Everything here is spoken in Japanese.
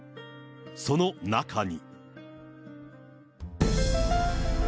その中に。